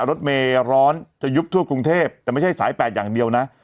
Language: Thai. รถเมย์ร้อนจะยุบทั่วกรุงเทพแต่ไม่ใช่สายแปดอย่างเดียวนะ